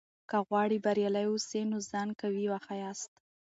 که غواړې بریالی واوسې؛ نو ځان قوي وښیاست.